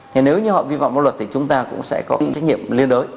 thì nếu như họ vi phạm pháp luật thì chúng ta cũng sẽ có trách nhiệm liên đối